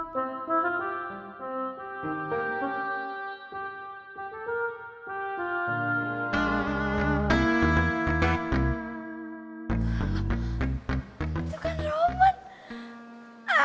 siapa tuh temen temen kamu